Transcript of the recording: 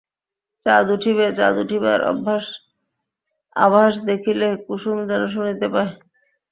চাঁদ উঠিবে, চাঁদ উঠিবার আভাস দেখিলে কুসুম যেন শুনিতে পায়।